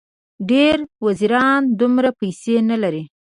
ډېر وزیران دومره پیسې نه لري.